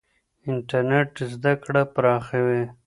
انټرنېټ زده کړه پراخوي.